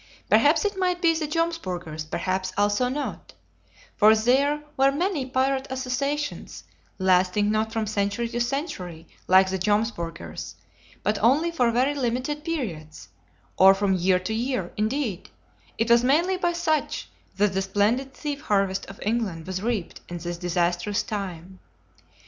Perhaps it might be the Jomsburgers; perhaps also not; for there were many pirate associations, lasting not from century to century like the Jomsburgers, but only for very limited periods, or from year to year; indeed, it was mainly by such that the splendid thief harvest of England was reaped in this disastrous time.